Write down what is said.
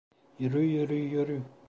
Yürü, yürü, yürü!